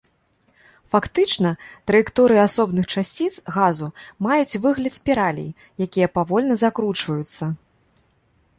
Фактычна, траекторыі асобных часціц газу маюць выгляд спіралей, якія павольна закручваюцца.